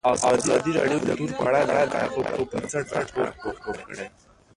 ازادي راډیو د کلتور په اړه د حقایقو پر بنسټ راپور خپور کړی.